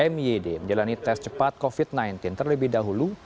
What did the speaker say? myd menjalani tes cepat covid sembilan belas terlebih dahulu